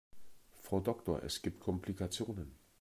Frau Doktor, es gibt Komplikationen.